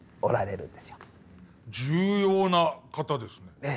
重要な方ですね。